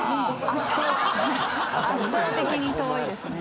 圧倒的に遠いですね。